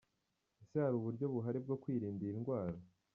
Ese hari uburyo buhari bwo kwirinda iyi ndwara?.